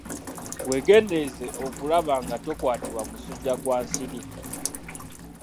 Weegendereze okulaba nga tokwatibwa musujja kwa nsiri.